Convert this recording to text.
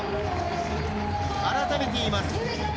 改めて言います。